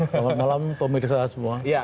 selamat malam pemirsa semua